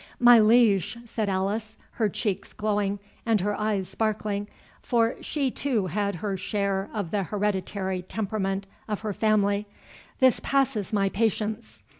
"My liege," said Alice, her cheeks glowing, and her eyes sparkling—for she too had her share of the hereditary temperament of her family,— "this passes my patience.